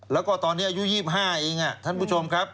แล้วก็ตอนนี้อายุ๒๕เองท่านผู้ชมครับ